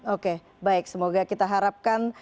oke baik semoga kita harapkan